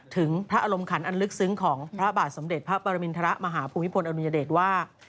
ถึงพระอารมณ์ขันอันลึกซึ้งของพระบาทสมเด็จพระปรมินทรมาหาภูมิพลอดุญเดชว่า